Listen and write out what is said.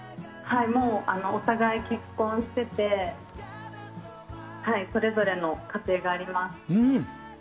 もうお互い結婚しててそれぞれの家庭があります。